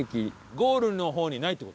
ゴールの方にないって事？